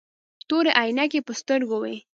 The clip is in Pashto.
تورې عينکې يې په سترګو وې.